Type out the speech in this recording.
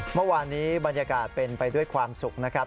เมื่อวานนี้บรรยากาศเป็นไปด้วยความสุขนะครับ